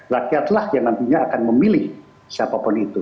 rakyatlah yang nantinya akan memilih siapapun itu